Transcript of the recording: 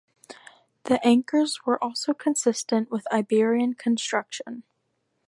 The anchors were also consistent with Iberian construction.